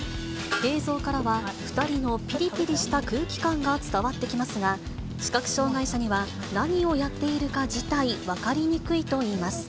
映像からは、２人のぴりぴりした空気感が伝わってきますが、視覚障がい者には何をやっているか自体、分かりにくいといいます。